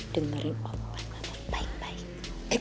dengar lo ngomel ngomel baik baik